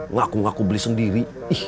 ngaku ngaku beli sendiri